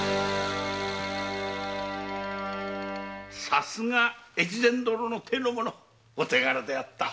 さすが大岡殿の手の者お手柄であった。